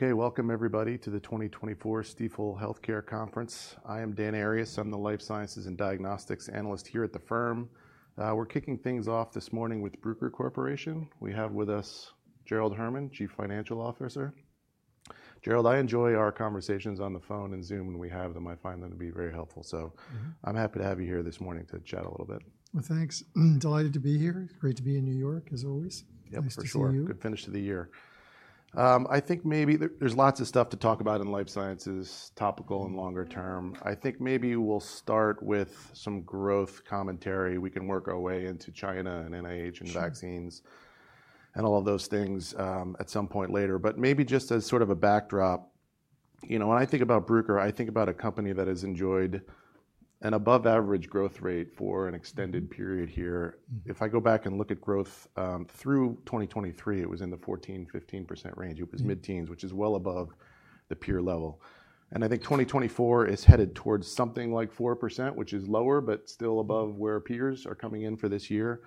Okay, welcome everybody to the 2024 Stifel Healthcare Conference. I am Dan Arias, I'm the Life Sciences and Diagnostics Analyst here at the firm. We're kicking things off this morning with Bruker Corporation. We have with us Gerald Herman, Chief Financial Officer. Gerald, I enjoy our conversations on the phone and Zoom when we have them. I find them to be very helpful, so I'm happy to have you here this morning to chat a little bit. Thanks. Delighted to be here. It's great to be in New York, as always. Yep, for sure. Good finish to the year. I think maybe there's lots of stuff to talk about in life sciences, topical and longer term. I think maybe we'll start with some growth commentary. We can work our way into China and NIH and vaccines and all of those things at some point later, but maybe just as sort of a backdrop, you know, when I think about Bruker, I think about a company that has enjoyed an above-average growth rate for an extended period here. If I go back and look at growth through 2023, it was in the 14%-15% range. It was mid-teens, which is well above the peer level, and I think 2024 is headed towards something like 4%, which is lower but still above where peers are coming in for this year.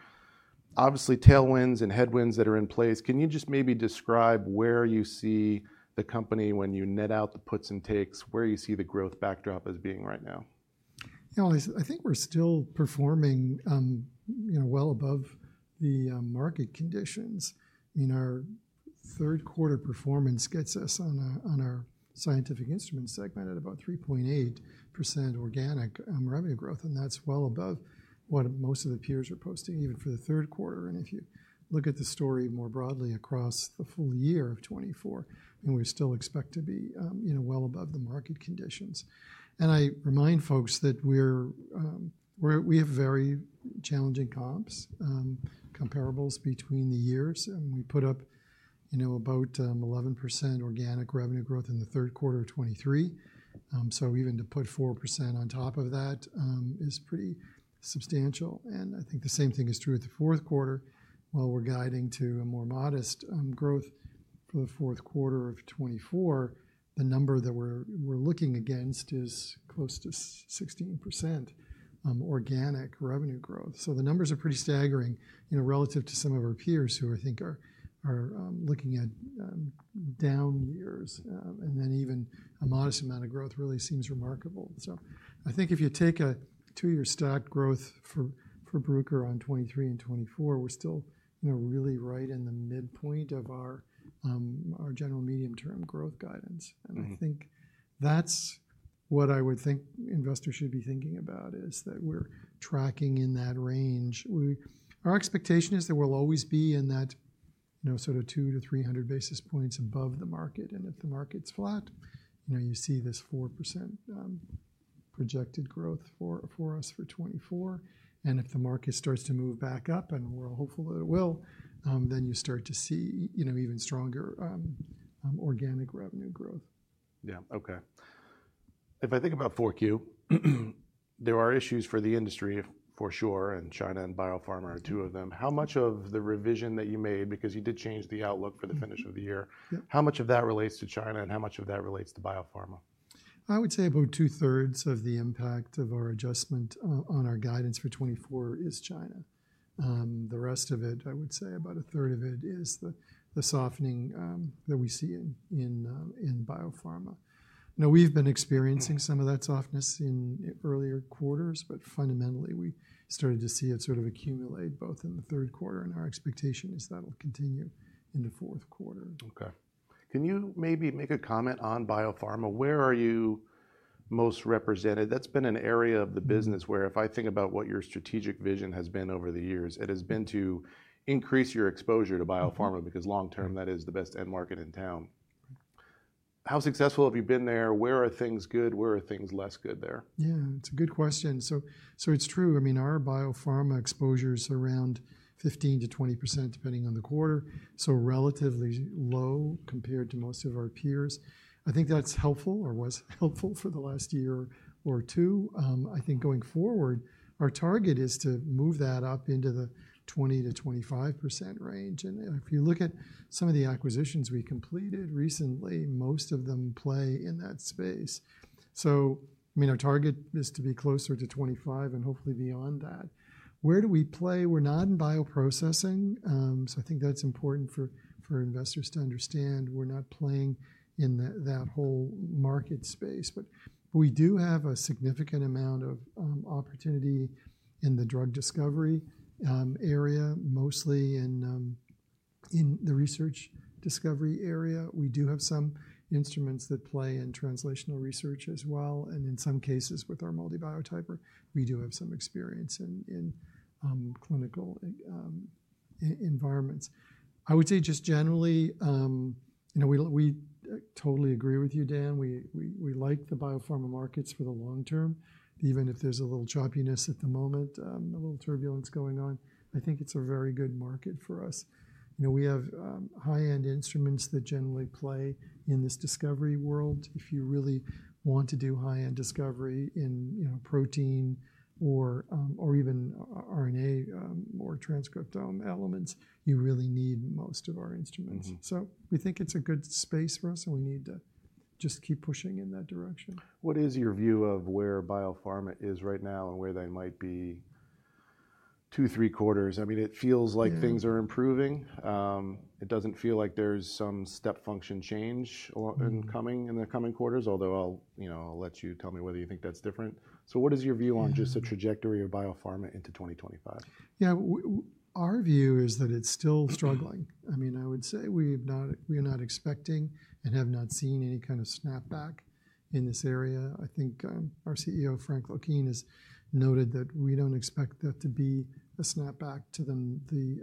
Obviously, tailwinds and headwinds that are in place. Can you just maybe describe where you see the company when you net out the puts and takes, where you see the growth backdrop as being right now? You know, I think we're still performing, you know, well above the market conditions. I mean, our third quarter performance gets us on our scientific instrument segment at about 3.8% organic revenue growth, and that's well above what most of the peers are posting, even for the third quarter. And if you look at the story more broadly across the full year of 2024, I mean, we still expect to be, you know, well above the market conditions. And I remind folks that we have very challenging comps, comparables between the years. And we put up, you know, about 11% organic revenue growth in the third quarter of 2023. So even to put 4% on top of that is pretty substantial. And I think the same thing is true with the fourth quarter. While we're guiding to a more modest growth for the fourth quarter of 2024, the number that we're looking against is close to 16% organic revenue growth. So the numbers are pretty staggering, you know, relative to some of our peers who I think are looking at down years. And then even a modest amount of growth really seems remarkable. So I think if you take a two-year stack growth for Bruker on 2023 and 2024, we're still, you know, really right in the midpoint of our general medium-term growth guidance. And I think that's what I would think investors should be thinking about, is that we're tracking in that range. Our expectation is that we'll always be in that, you know, sort of 200 to 300 basis points above the market. And if the market's flat, you know, you see this 4% projected growth for us for 2024. And if the market starts to move back up, and we're hopeful that it will, then you start to see, you know, even stronger organic revenue growth. Yeah, okay. If I think about 4Q, there are issues for the industry for sure, and China and biopharma are two of them. How much of the revision that you made, because you did change the outlook for the finish of the year, how much of that relates to China and how much of that relates to biopharma? I would say about 2/3 of the impact of our adjustment on our guidance for 2024 is China. The rest of it, I would say about a third of it is the softening that we see in biopharma. Now, we've been experiencing some of that softness in earlier quarters, but fundamentally we started to see it sort of accumulate both in the third quarter, and our expectation is that'll continue into fourth quarter. Okay. Can you maybe make a comment on biopharma? Where are you most represented? That's been an area of the business where if I think about what your strategic vision has been over the years, it has been to increase your exposure to biopharma because long-term that is the best end market in town. How successful have you been there? Where are things good? Where are things less good there? Yeah, it's a good question. So it's true. I mean, our biopharma exposure is around 15%-20%, depending on the quarter, so relatively low compared to most of our peers. I think that's helpful or was helpful for the last year or two. I think going forward, our target is to move that up into the 20%-25% range, and if you look at some of the acquisitions we completed recently, most of them play in that space, so I mean, our target is to be closer to 25% and hopefully beyond that. Where do we play? We're not in bioprocessing. So I think that's important for investors to understand. We're not playing in that whole market space, but we do have a significant amount of opportunity in the drug discovery area, mostly in the research discovery area. We do have some instruments that play in translational research as well, and in some cases with our MALDI Biotyper, we do have some experience in clinical environments. I would say just generally, you know, we totally agree with you, Dan. We like the biopharma markets for the long term, even if there's a little choppiness at the moment, a little turbulence going on. I think it's a very good market for us. You know, we have high-end instruments that generally play in this discovery world. If you really want to do high-end discovery in, you know, protein or even RNA or transcriptome elements, you really need most of our instruments. So we think it's a good space for us, and we need to just keep pushing in that direction. What is your view of where biopharma is right now and where they might be two, three quarters? I mean, it feels like things are improving. It doesn't feel like there's some step function change coming in the coming quarters, although I'll, you know, I'll let you tell me whether you think that's different. So what is your view on just the trajectory of biopharma into 2025? Yeah, our view is that it's still struggling. I mean, I would say we are not expecting and have not seen any kind of snapback in this area. I think our CEO, Frank Laukien, has noted that we don't expect that to be a snapback to the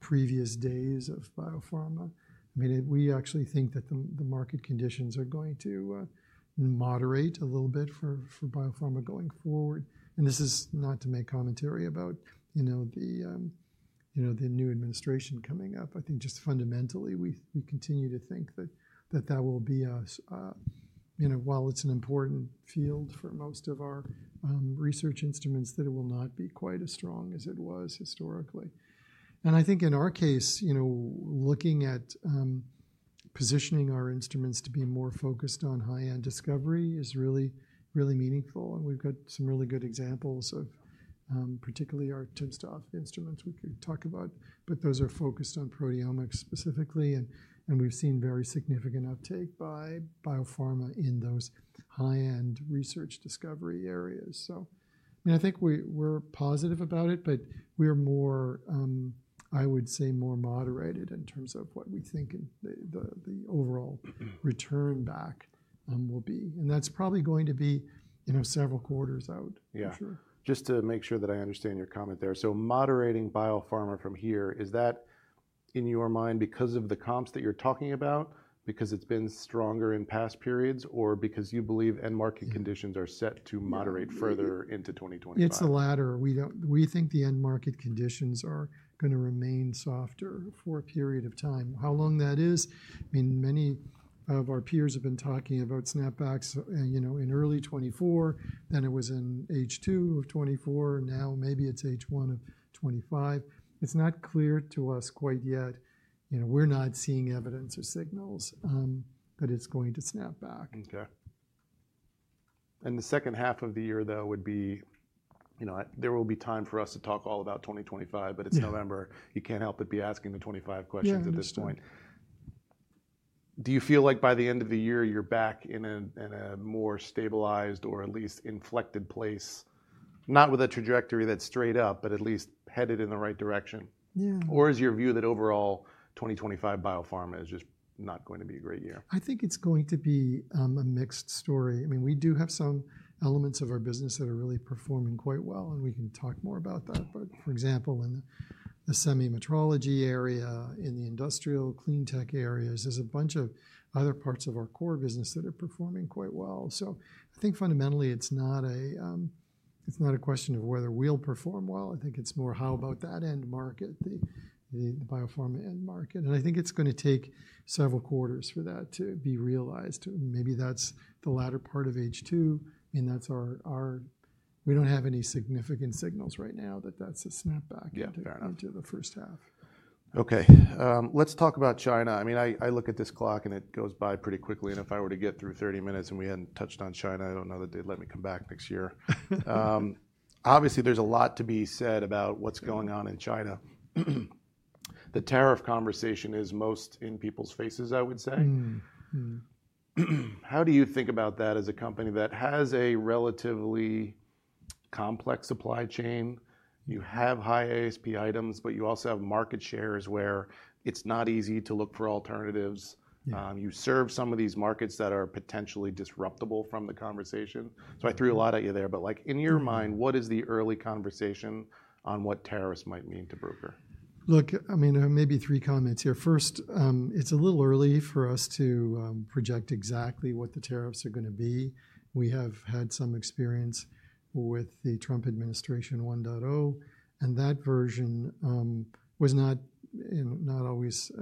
previous days of biopharma. I mean, we actually think that the market conditions are going to moderate a little bit for biopharma going forward. And this is not to make commentary about, you know, the new administration coming up. I think just fundamentally we continue to think that that will be, you know, while it's an important field for most of our research instruments, that it will not be quite as strong as it was historically. And I think in our case, you know, looking at positioning our instruments to be more focused on high-end discovery is really, really meaningful. We've got some really good examples of particularly our timsTOF instruments we could talk about, but those are focused on proteomics specifically. We've seen very significant uptake by biopharma in those high-end research discovery areas. I mean, I think we're positive about it, but we are more, I would say, more moderated in terms of what we think the overall return back will be. That's probably going to be, you know, several quarters out for sure. Yeah. Just to make sure that I understand your comment there. So moderating biopharma from here, is that in your mind because of the comps that you're talking about, because it's been stronger in past periods, or because you believe end market conditions are set to moderate further into 2025? It's the latter. We think the end market conditions are going to remain softer for a period of time. How long that is, I mean, many of our peers have been talking about snapbacks, you know, in early 2024, then it was in H2 of 2024, now maybe it's H1 of 2025. It's not clear to us quite yet. You know, we're not seeing evidence or signals that it's going to snap back. Okay, and the second half of the year, though, would be, you know, there will be time for us to talk all about 2025, but it's November. You can't help but be asking the 25 questions at this point. Do you feel like by the end of the year you're back in a more stabilized or at least inflected place, not with a trajectory that's straight up, but at least headed in the right direction? Yeah. Or is your view that overall 2025 biopharma is just not going to be a great year? I think it's going to be a mixed story. I mean, we do have some elements of our business that are really performing quite well, and we can talk more about that. But for example, in the semi metrology area, in the industrial cleantech areas, there's a bunch of other parts of our core business that are performing quite well. So I think fundamentally it's not a question of whether we'll perform well. I think it's more, how about that end market, the biopharma end market. And I think it's going to take several quarters for that to be realized. Maybe that's the latter part of H2. I mean, that's our. We don't have any significant signals right now that that's a snapback into the first half. Okay. Let's talk about China. I mean, I look at this clock and it goes by pretty quickly. And if I were to get through 30 minutes and we hadn't touched on China, I don't know that they'd let me come back next year. Obviously, there's a lot to be said about what's going on in China. The tariff conversation is most in people's faces, I would say. How do you think about that as a company that has a relatively complex supply chain? You have high ASP items, but you also have market shares where it's not easy to look for alternatives. You serve some of these markets that are potentially disruptible from the conversation. So I threw a lot at you there. But like in your mind, what is the early conversation on what tariffs might mean to Bruker? Look, I mean, maybe three comments here. First, it's a little early for us to project exactly what the tariffs are going to be. We have had some experience with the Trump administration 1.0, and that version was not always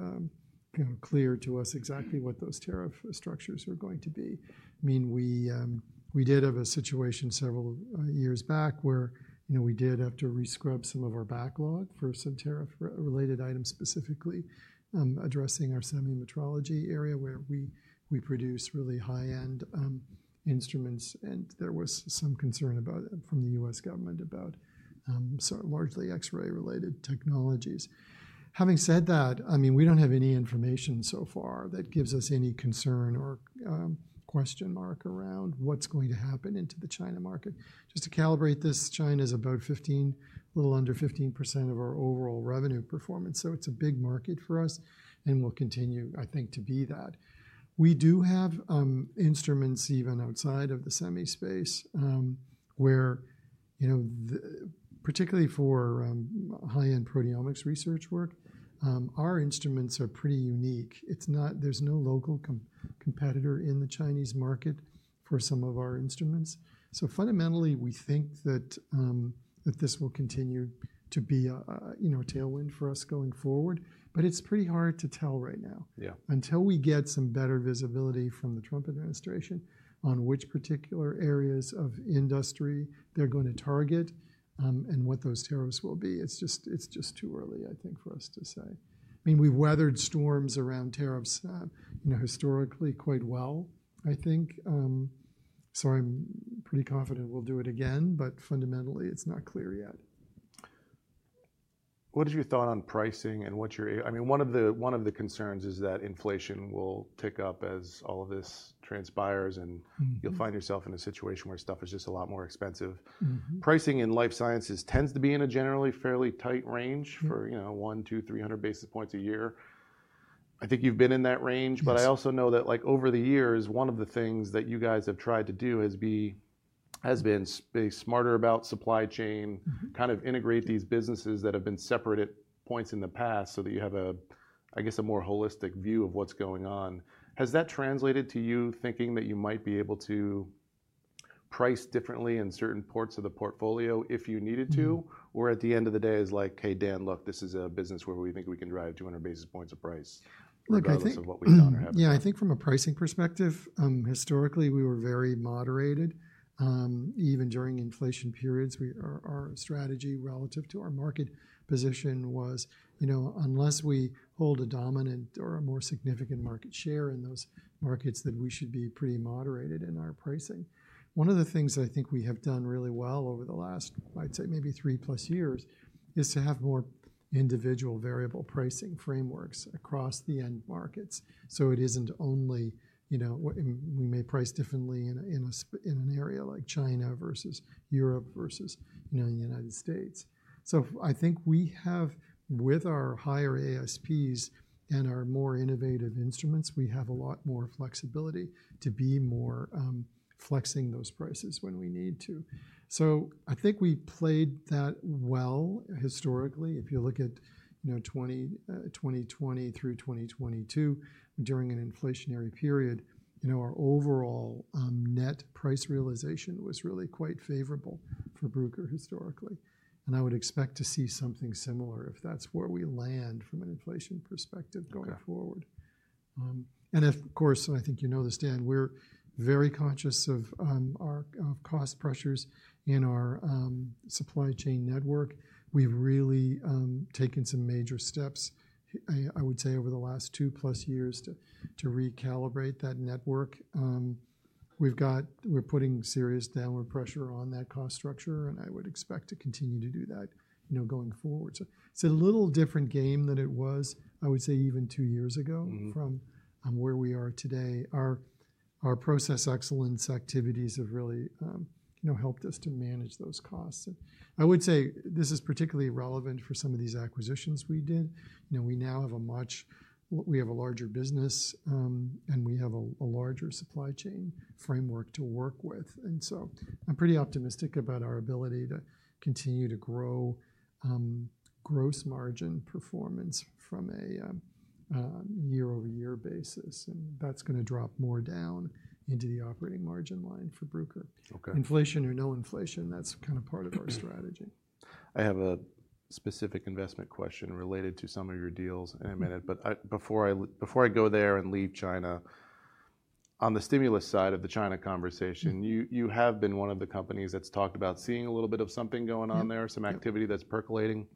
clear to us exactly what those tariff structures are going to be. I mean, we did have a situation several years back where, you know, we did have to rescrub some of our backlog for some tariff-related items specifically addressing our semimetrology area where we produce really high-end instruments. And there was some concern from the U.S. government about largely X-ray-related technologies. Having said that, I mean, we don't have any information so far that gives us any concern or question mark around what's going to happen into the China market. Just to calibrate this, China is about 15%, a little under 15% of our overall revenue performance. So it's a big market for us, and we'll continue, I think, to be that. We do have instruments even outside of the semi space where, you know, particularly for high-end proteomics research work, our instruments are pretty unique. It's not. There's no local competitor in the Chinese market for some of our instruments. So fundamentally, we think that this will continue to be a tailwind for us going forward. But it's pretty hard to tell right now. Yeah. Until we get some better visibility from the Trump administration on which particular areas of industry they're going to target and what those tariffs will be, it's just too early, I think, for us to say. I mean, we've weathered storms around tariffs, you know, historically quite well, I think. So I'm pretty confident we'll do it again. But fundamentally, it's not clear yet. What is your thought on pricing and what you're—I mean, one of the concerns is that inflation will tick up as all of this transpires and you'll find yourself in a situation where stuff is just a lot more expensive. Pricing in life sciences tends to be in a generally fairly tight range for, you know, 100, 200, 300 basis points a year. I think you've been in that range. But I also know that like over the years, one of the things that you guys have tried to do has been be smarter about supply chain, kind of integrate these businesses that have been separate at points in the past so that you have, I guess, a more holistic view of what's going on. Has that translated to you thinking that you might be able to price differently in certain parts of the portfolio if you needed to? Or at the end of the day, it's like, "Hey, Dan, look, this is a business where we think we can drive 200 basis points of price because of what we've done. Yeah, I think from a pricing perspective, historically we were very moderated. Even during inflation periods, our strategy relative to our market position was, you know, unless we hold a dominant or a more significant market share in those markets, that we should be pretty moderated in our pricing. One of the things I think we have done really well over the last, I'd say maybe three plus years is to have more individual variable pricing frameworks across the end markets. So it isn't only, you know, we may price differently in an area like China versus Europe versus, you know, the United States. So I think we have, with our higher ASPs and our more innovative instruments, we have a lot more flexibility to be more flexible those prices when we need to. So I think we played that well historically. If you look at, you know, 2020 through 2022, during an inflationary period, you know, our overall net price realization was really quite favorable for Bruker historically. And I would expect to see something similar if that's where we land from an inflation perspective going forward. And of course, I think you know this, Dan, we're very conscious of our cost pressures in our supply chain network. We've really taken some major steps, I would say, over the last two plus years to recalibrate that network. We're putting serious downward pressure on that cost structure, and I would expect to continue to do that, you know, going forward. So it's a little different game than it was, I would say, even two years ago from where we are today. Our process excellence activities have really, you know, helped us to manage those costs. I would say this is particularly relevant for some of these acquisitions we did. You know, we now have a larger business, and we have a larger supply chain framework to work with. And so I'm pretty optimistic about our ability to continue to grow gross margin performance from a year-over-year basis. And that's going to drop more down into the operating margin line for Bruker. Okay. Inflation or no inflation, that's kind of part of our strategy. I have a specific investment question related to some of your deals in a minute. But before I go there and leave China, on the stimulus side of the China conversation, you have been one of the companies that's talked about seeing a little bit of something going on there, some activity that's percolating.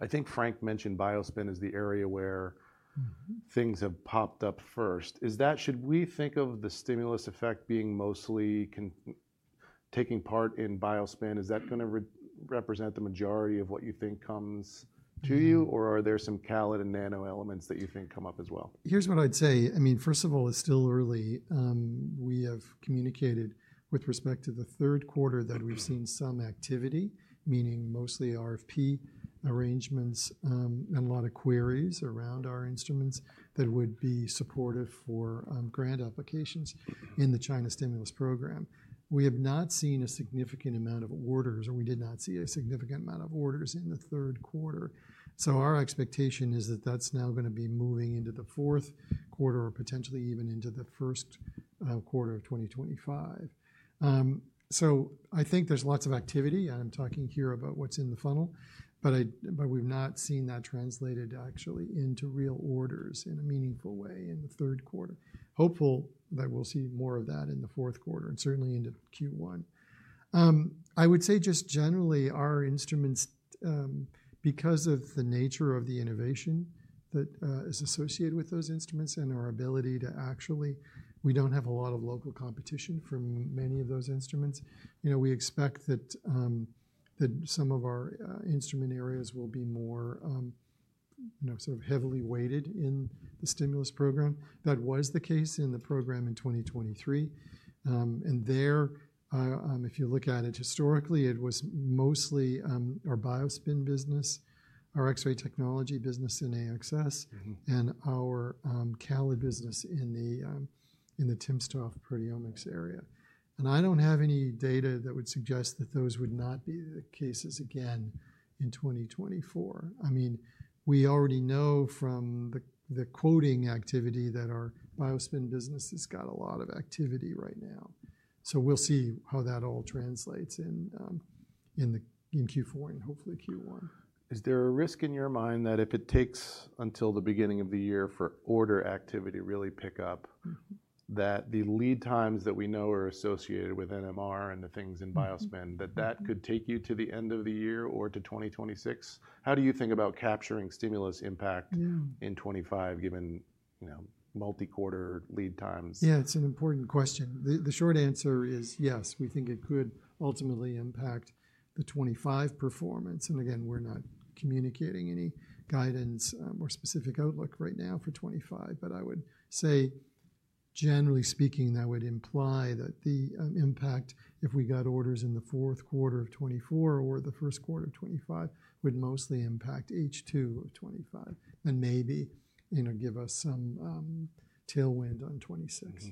I think Frank mentioned BioSpin as the area where things have popped up first. Is that? Should we think of the stimulus effect being mostly taking part in BioSpin, is that going to represent the majority of what you think comes to you, or are there some CALID and Nano elements that you think come up as well? Here's what I'd say. I mean, first of all, it's still early. We have communicated with respect to the third quarter that we've seen some activity, meaning mostly RFP arrangements and a lot of queries around our instruments that would be supportive for grant applications in the China stimulus program. We have not seen a significant amount of orders, or we did not see a significant amount of orders in the third quarter. So our expectation is that that's now going to be moving into the fourth quarter or potentially even into the first quarter of 2025. So I think there's lots of activity. I'm talking here about what's in the funnel, but we've not seen that translated actually into real orders in a meaningful way in the third quarter. Hopeful that we'll see more of that in the fourth quarter and certainly into Q1. I would say just generally our instruments, because of the nature of the innovation that is associated with those instruments and our ability to actually, we don't have a lot of local competition for many of those instruments. You know, we expect that some of our instrument areas will be more, you know, sort of heavily weighted in the stimulus program. That was the case in the program in 2023. And there, if you look at it historically, it was mostly our BioSpin business, our X-ray technology business in AXS, and our CALID business in the timsTOF proteomics area. And I don't have any data that would suggest that those would not be the cases again in 2024. I mean, we already know from the quoting activity that our BioSpin business has got a lot of activity right now. So we'll see how that all translates in Q4 and hopefully Q1. Is there a risk in your mind that if it takes until the beginning of the year for order activity to really pick up, that the lead times that we know are associated with NMR and the things in BioSpin, that that could take you to the end of the year or to 2026? How do you think about capturing stimulus impact in 2025 given, you know, multi-quarter lead times? Yeah, it's an important question. The short answer is yes. We think it could ultimately impact the 2025 performance. And again, we're not communicating any guidance or specific outlook right now for 2025. But I would say, generally speaking, that would imply that the impact, if we got orders in the fourth quarter of 2024 or the first quarter of 2025, would mostly impact H2 of 2025 and maybe, you know, give us some tailwind on 2026.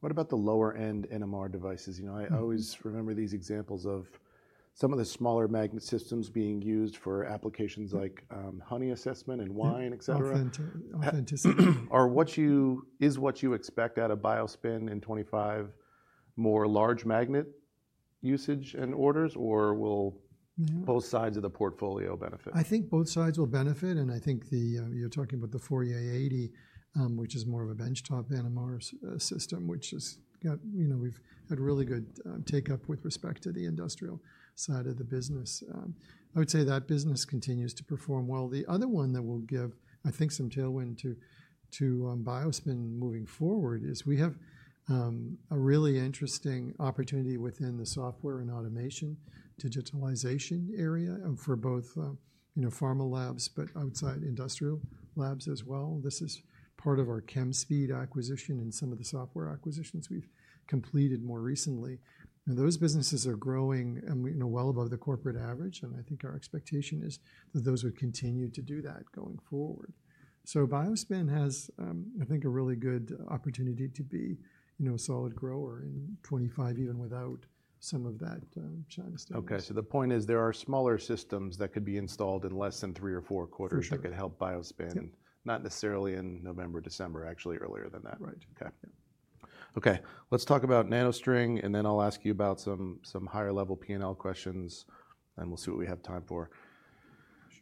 What about the lower-end NMR devices? You know, I always remember these examples of some of the smaller magnet systems being used for applications like honey assessment and wine, et cetera. Authenticity. Is what you expect out of BioSpin in 2025 more large magnet usage and orders, or will both sides of the portfolio benefit? I think both sides will benefit, and I think you're talking about the Fourier 80, which is more of a benchtop NMR system, which has got, you know, we've had really good take-up with respect to the industrial side of the business. I would say that business continues to perform well. The other one that will give, I think, some tailwind to BioSpin moving forward is we have a really interesting opportunity within the software and automation digitalization area for both, you know, pharma labs, but outside industrial labs as well. This is part of our Chemspeed acquisition and some of the software acquisitions we've completed more recently, and those businesses are growing, you know, well above the corporate average, and I think our expectation is that those would continue to do that going forward. BioSpin has, I think, a really good opportunity to be, you know, a solid grower in 2025, even without some of that China stuff. Okay. So the point is there are smaller systems that could be installed in less than three or four quarters that could help BioSpin, not necessarily in November, December, actually earlier than that. Right. Okay. Okay. Let's talk about NanoString, and then I'll ask you about some higher-level P&L questions, and we'll see what we have time for.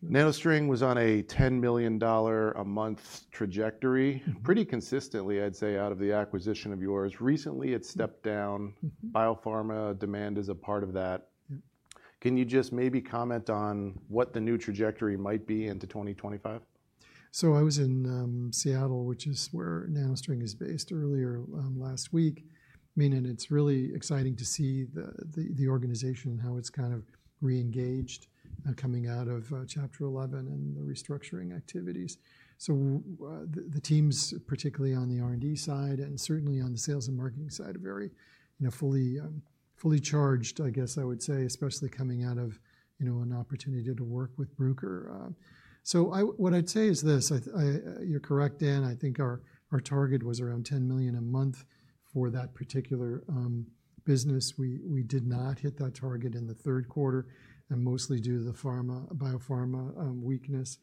NanoString was on a $10 million a month trajectory, pretty consistently, I'd say, out of the acquisition of yours. Recently, it stepped down. Biopharma demand is a part of that. Can you just maybe comment on what the new trajectory might be into 2025? So I was in Seattle, which is where NanoString is based, earlier last week. I mean, and it's really exciting to see the organization and how it's kind of reengaged coming out of Chapter 11 and the restructuring activities. So the teams, particularly on the R&D side and certainly on the sales and marketing side, are very, you know, fully charged, I guess I would say, especially coming out of, you know, an opportunity to work with Bruker. So what I'd say is this. You're correct, Dan. I think our target was around $10 million a month for that particular business. We did not hit that target in the third quarter, mostly due to the biopharma weakness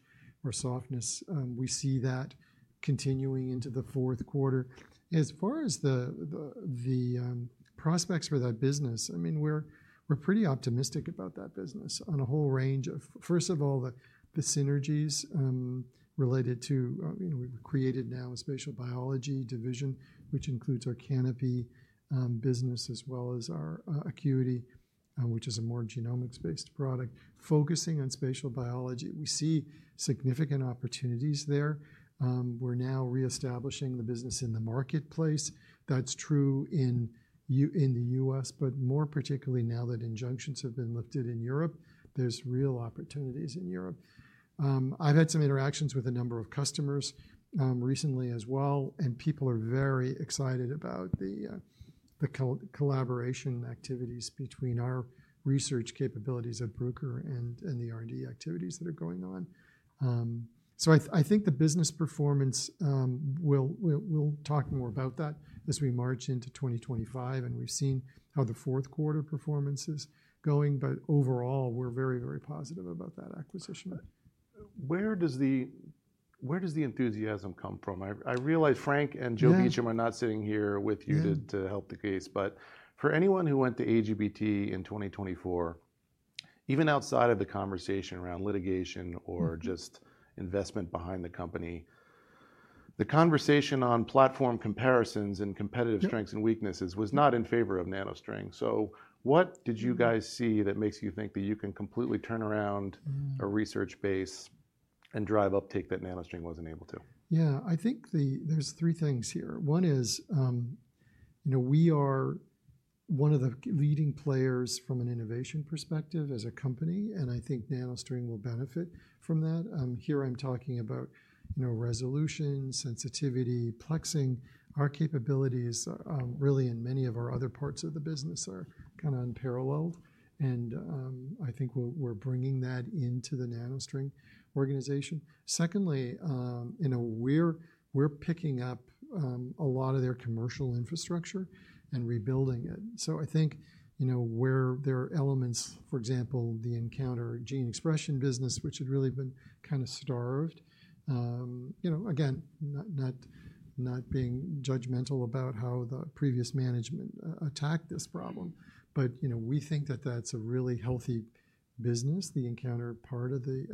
or softness. We see that continuing into the fourth quarter. As far as the prospects for that business, I mean, we're pretty optimistic about that business on a whole range of, first of all, the synergies related to, you know, we've created now a spatial biology division, which includes our Canopy business as well as our Acuity, which is a more genomics-based product. Focusing on spatial biology, we see significant opportunities there. We're now reestablishing the business in the marketplace. That's true in the U.S., but more particularly now that injunctions have been lifted in Europe, there's real opportunities in Europe. I've had some interactions with a number of customers recently as well, and people are very excited about the collaboration activities between our research capabilities at Bruker and the R&D activities that are going on. So I think the business performance, we'll talk more about that as we march into 2025, and we've seen how the fourth quarter performance is going. But overall, we're very, very positive about that acquisition. Where does the enthusiasm come from? I realize Frank and Joe Beechem are not sitting here with you to help the case. But for anyone who went to AGBT in 2024, even outside of the conversation around litigation or just investment behind the company, the conversation on platform comparisons and competitive strengths and weaknesses was not in favor of NanoString. So what did you guys see that makes you think that you can completely turn around a research base and drive uptake that NanoString wasn't able to? Yeah, I think there's three things here. One is, you know, we are one of the leading players from an innovation perspective as a company, and I think NanoString will benefit from that. Here I'm talking about, you know, resolution, sensitivity, plexing. Our capabilities really in many of our other parts of the business are kind of unparalleled, and I think we're bringing that into the NanoString organization. Secondly, you know, we're picking up a lot of their commercial infrastructure and rebuilding it. So I think, you know, where there are elements, for example, the nCounter gene expression business, which had really been kind of starved, you know, again, not being judgmental about how the previous management attacked this problem. But, you know, we think that that's a really healthy business, the nCounter part of the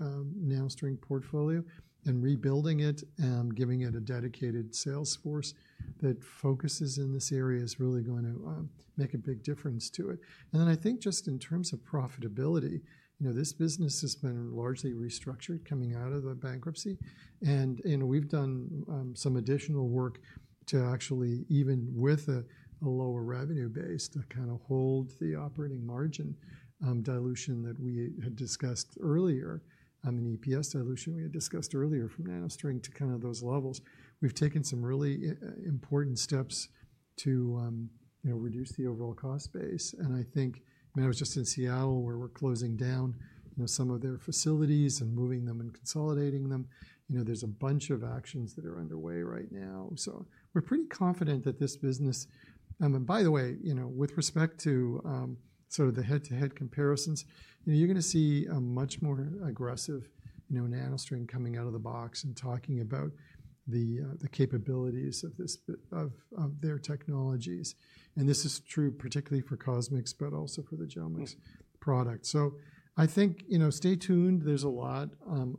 NanoString portfolio, and rebuilding it and giving it a dedicated sales force that focuses in this area is really going to make a big difference to it. And then I think just in terms of profitability, you know, this business has been largely restructured coming out of the bankruptcy. And, you know, we've done some additional work to actually, even with a lower revenue base, to kind of hold the operating margin dilution that we had discussed earlier, an EPS dilution we had discussed earlier from NanoString to kind of those levels. We've taken some really important steps to, you know, reduce the overall cost base. And I think, I mean, I was just in Seattle where we're closing down, you know, some of their facilities and moving them and consolidating them. You know, there's a bunch of actions that are underway right now. So we're pretty confident that this business, and by the way, you know, with respect to sort of the head-to-head comparisons, you know, you're going to see a much more aggressive, you know, NanoString coming out of the box and talking about the capabilities of their technologies. And this is true particularly for CosMx, but also for the genomics product. So I think, you know, stay tuned. There's a lot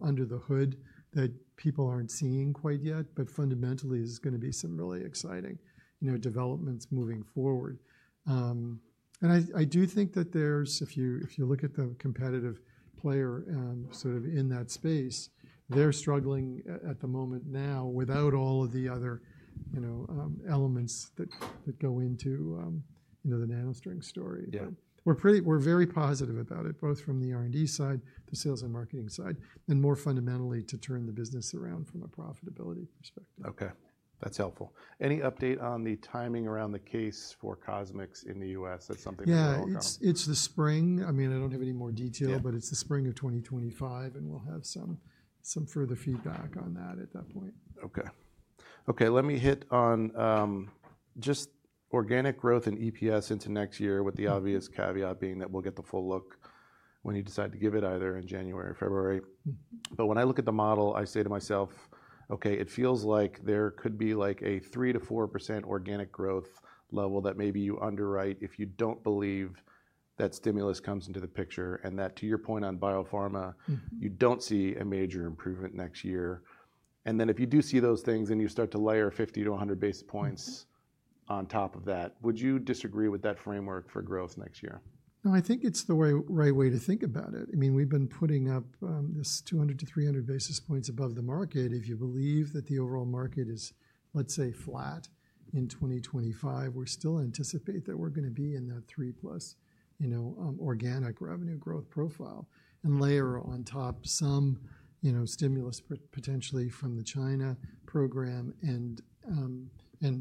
under the hood that people aren't seeing quite yet, but fundamentally there's going to be some really exciting, you know, developments moving forward. And I do think that there's, if you look at the competitive player sort of in that space, they're struggling at the moment now without all of the other, you know, elements that go into, you know, the NanoString story. But we're very positive about it, both from the R&D side, the sales and marketing side, and more fundamentally to turn the business around from a profitability perspective. Okay. That's helpful. Any update on the timing around the case for CosMx in the U.S.? That's something we're all talking about. Yeah, it's the spring. I mean, I don't have any more detail, but it's the spring of 2025, and we'll have some further feedback on that at that point. Okay. Okay. Let me hit on just organic growth and EPS into next year, with the obvious caveat being that we'll get the full look when you decide to give it either in January or February. But when I look at the model, I say to myself, okay, it feels like there could be like a 3%-4% organic growth level that maybe you underwrite if you don't believe that stimulus comes into the picture and that to your point on biopharma, you don't see a major improvement next year. And then if you do see those things and you start to layer 50-100 basis points on top of that, would you disagree with that framework for growth next year? No, I think it's the right way to think about it. I mean, we've been putting up this 200-300 basis points above the market. If you believe that the overall market is, let's say, flat in 2025, we're still anticipate that we're going to be in that 3 plus, you know, organic revenue growth profile and layer on top some, you know, stimulus potentially from the China program and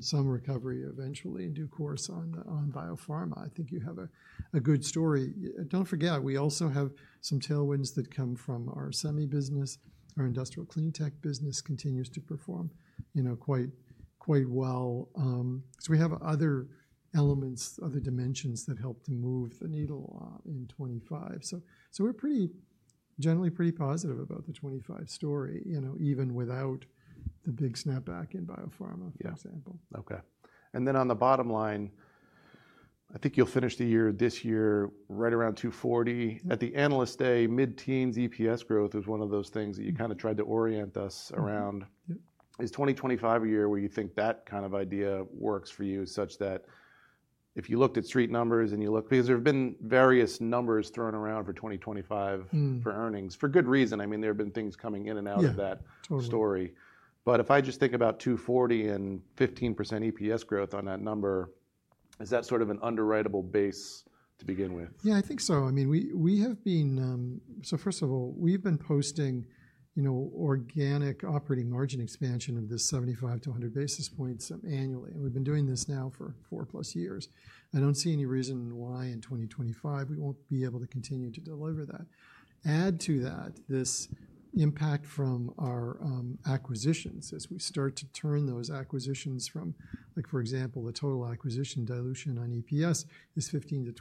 some recovery eventually in due course on biopharma. I think you have a good story. Don't forget, we also have some tailwinds that come from our semi business. Our industrial clean tech business continues to perform, you know, quite well. So we have other elements, other dimensions that help to move the needle in 2025. So we're pretty, generally pretty positive about the 2025 story, you know, even without the big snapback in biopharma, for example. Yeah. Okay. And then on the bottom line, I think you'll finish the year this year right around $240. At the analyst day, mid-teens EPS growth is one of those things that you kind of tried to orient us around. Is 2025 a year where you think that kind of idea works for you such that if you looked at street numbers and you looked, because there have been various numbers thrown around for 2025 for earnings, for good reason. I mean, there have been things coming in and out of that story. But if I just think about $240 and 15% EPS growth on that number, is that sort of an underwritable base to begin with? Yeah, I think so. I mean, we have been, so first of all, we've been posting, you know, organic operating margin expansion of this 75-100 basis points annually. We've been doing this now for four plus years. I don't see any reason why in 2025 we won't be able to continue to deliver that. Add to that this impact from our acquisitions as we start to turn those acquisitions from, like for example, the total acquisition dilution on EPS is $0.15-$0.20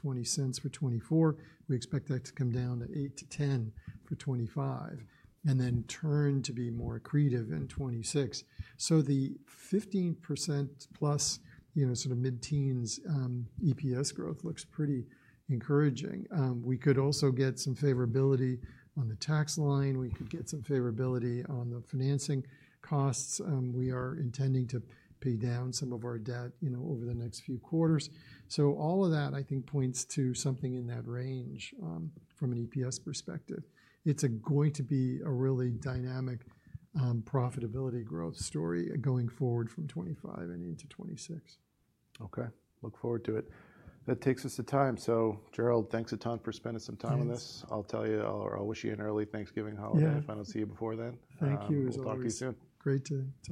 for 2024. We expect that to come down to $0.08-$0.10 for 2025 and then turn to be more accretive in 2026. So the 15%+, you know, sort of mid-teens EPS growth looks pretty encouraging. We could also get some favorability on the tax line. We could get some favorability on the financing costs. We are intending to pay down some of our debt, you know, over the next few quarters. So all of that, I think, points to something in that range from an EPS perspective. It's going to be a really dynamic profitability growth story going forward from 2025 and into 2026. Okay. Look forward to it. That takes us to time. So Gerald, thanks a ton for spending some time on this. I'll tell you, or I'll wish you an early Thanksgiving holiday if I don't see you before then. Thank you. We'll talk to you soon. Great to.